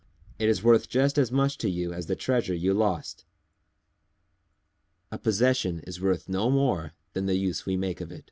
It is worth just as much to you as the treasure you lost!" _A possession is worth no more than the use we make of it.